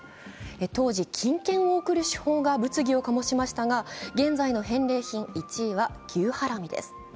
当時、金券を贈る手法が物議を醸しましたが現在の返礼品１位は牛ハラミです。